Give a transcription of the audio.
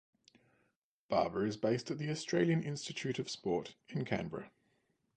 Barber is based at the Australian Institute of Sport in Canberra.